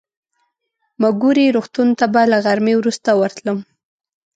مګوري روغتون ته به له غرمې وروسته ورتلم.